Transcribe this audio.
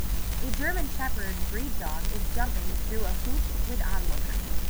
A German shepherd breed dog is jumping through a hoop with onlookers.